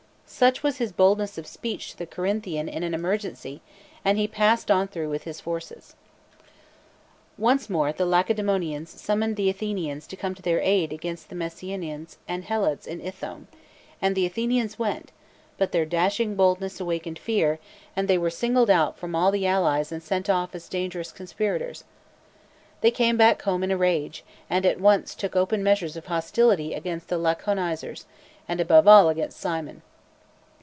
Such was his boldness of speech to the Corinthian in an emergency, and he passed on through with his forces. Once more the Lacedaemonians summoned the Athenians to'come to their aid against the Messe nians and Helots in Ithomé, and the Athenians went, but their dashing boldness awakened fear, and they were singled out from all the allies and sent off as dangerous conspirators. —They came back home in a rage, and at once took open measures of hostility against the Laconizers, and above all against Cimon.